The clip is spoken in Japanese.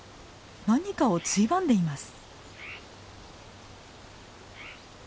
何かをついばんでいます。